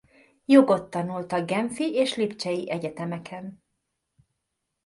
Jogot tanult a genfi és lipcsei egyetemeken.